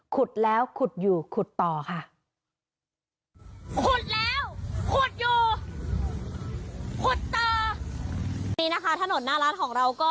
ขุดแล้วขุดอยู่ขุดต่อค่ะ